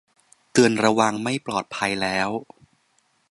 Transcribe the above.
เตือนระวังไม่ปลอดภัยแล้ว